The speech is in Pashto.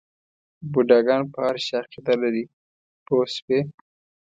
بوډاګان په هر شي عقیده لري پوه شوې!.